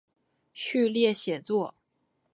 序列写作。